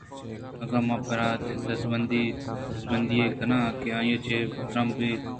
اگاں منءَ پریات ءُدز بندی ئے کنت کہ آئیءَ چہ ترا بہ رکّیناں گڑا پرچہ ناں